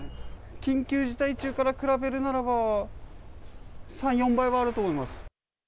緊急事態中から比べるならば、３、４倍はあると思います。